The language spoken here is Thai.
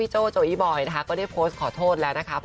โจ้อีบอยได้โพสต์ขอโทษ